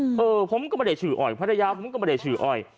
เออผมก็ไม่ได้ชื่ออ้อยภรรยาผมก็ไม่ได้ชื่ออ้อย